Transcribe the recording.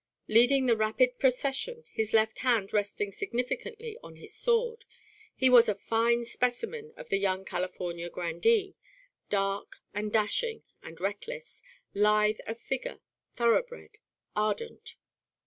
Leading the rapid procession, his left hand resting significantly on his sword, he was a fine specimen of the young California grandee, dark and dashing and reckless, lithe of figure, thoroughbred, ardent.